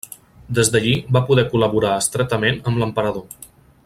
Des d'allí va poder col·laborar estretament amb l'emperador.